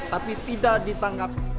tapi tidak ditangkap